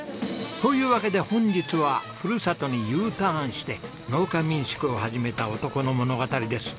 というわけで本日はふるさとにＵターンして農家民宿を始めた男の物語です。